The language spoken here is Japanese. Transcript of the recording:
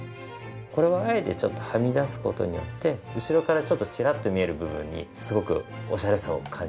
これはあえてちょっとはみ出す事によって後ろからチラッと見える部分にすごくおしゃれさを感じてます。